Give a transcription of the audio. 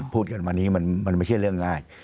พูดกันมานี้มันไม่ใช่เรื่องง่าย